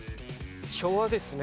昭和ですね。